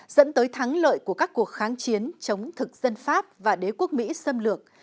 dẫn tới thắng lợi của các cuộc kháng chiến chống thực dân pháp và đế quốc mỹ xâm lược